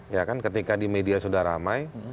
ya kan ketika di media sudah ramai